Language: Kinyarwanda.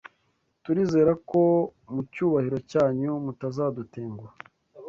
Turizera ko mu cyubahiro cyanyu mutazadutenguha